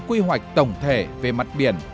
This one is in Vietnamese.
quy hoạch tổng thể về mặt biển